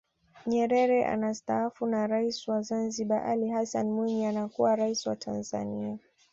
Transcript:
Nyerere anastaafu na Rais wa Zanzibar Ali Hassan Mwinyi anakuwa Rais wa Tanzania